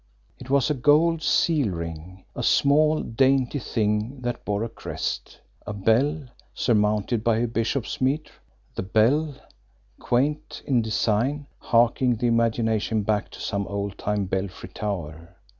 It was a gold seal ring, a small, dainty thing that bore a crest: a bell, surmounted by a bishop's mitre the bell, quaint in design, harking the imagination back to some old time belfry tower.